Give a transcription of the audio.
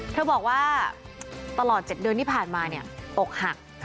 เธอบอกว่าตลอด๗เดือนที่ผ่านมาอกหัก